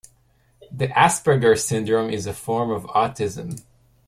The Asperger syndrome is a form of autism.